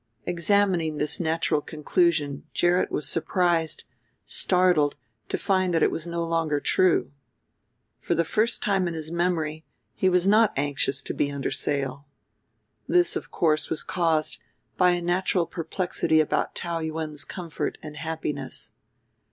Examining this natural conclusion, Gerrit was surprised, startled, to find that it was no longer true. For the first time in his memory he was not anxious to be under sail. This of course was caused by a natural perplexity about Taou Yuen's comfort and happiness.